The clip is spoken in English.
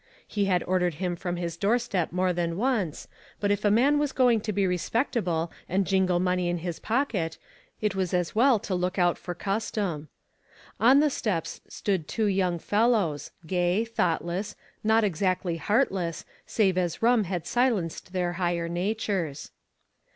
He had ordered him from his doorstep more than once, but if the man was going to be respectable and jingle money in his pocket, it was as well to look out for cus tom. On the steps stood two young fellows, gay, thoughtless, not exactly heartless, save as rum had silenced their higher natures.